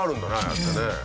やってね。